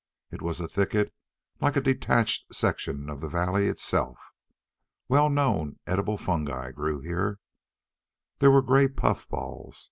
It was a thicket like a detached section of the valley itself. Well known edible fungi grew here. There were gray puffballs.